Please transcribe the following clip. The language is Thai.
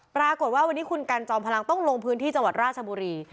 ปรากฏว่าวันนี้คุณกันจอมพลังต้องลงพื้นที่จังหวัดราชบุรี